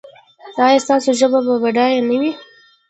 ایا ستاسو ژبه به بډایه نه وي؟